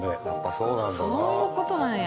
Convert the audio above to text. そういう事なんや。